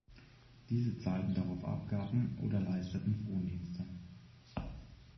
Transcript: Diese zahlten darauf Abgaben oder leisteten Frondienste.